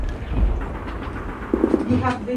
Suelen consumirse tras algún tiempo de curado.